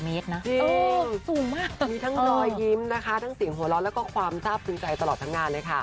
มีทั้งรอยยิ้มทั้งสิ่งโหร่ร้อนแล้วก็ความทราบพึงใจตลอดทั้งงาน